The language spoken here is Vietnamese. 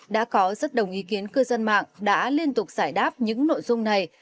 đã có rất đồng ý kiến cư dân mạng đã liên tục giải đáp những nội dung này